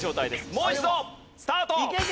もう一度スタート！